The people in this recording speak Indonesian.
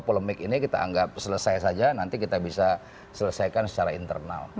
polemik ini kita anggap selesai saja nanti kita bisa selesaikan secara internal